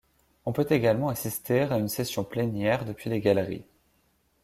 On peut également assister à une session plénière depuis les galeries.